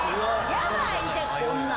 ヤバいてこんなん。